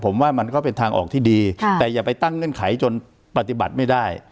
ผมว่ามันก็เป็นทางออกที่ดีแต่อย่าไปตั้งเงื่อนไขจนปฏิบัติไม่ได้